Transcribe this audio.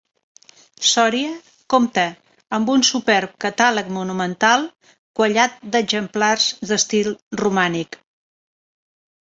Sòria compta amb un superb catàleg monumental quallat d'exemplars d'estil romànic.